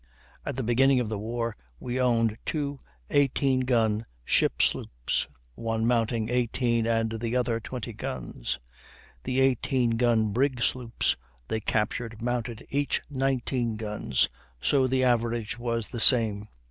At the beginning of the war we owned two 18 gun ship sloops, one mounting 18 and the other 20 guns; the 18 gun brig sloops they captured mounted each 19 guns, so the average was the same.